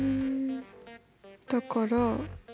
だから逆？